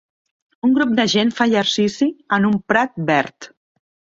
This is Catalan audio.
Un grup de gent fa exercici en un prat verd